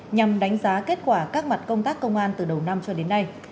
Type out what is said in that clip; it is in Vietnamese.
nhằm đánh giá kết quả các mặt công tác công an từ đầu năm cho đến nay